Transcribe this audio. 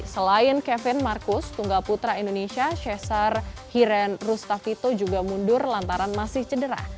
selain kevin marcus tunggal putra indonesia cesar hiren rustavito juga mundur lantaran masih cedera